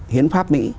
hiến pháp mỹ